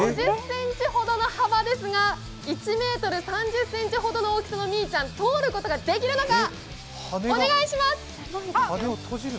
５０ｃｍほどの幅ですが、１ｍ３０ｃｍほどの大きさのみーちゃん、通ることができるのか！